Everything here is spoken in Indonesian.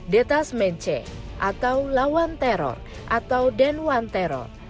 tiga detasmen c atau lawan teror atau den one terror